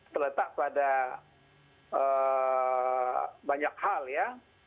terletak pada banyak hal ya